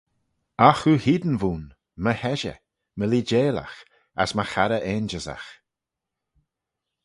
Agh oo hene v'ayn, my heshey: my leeideilagh, as my charrey ainjyssagh.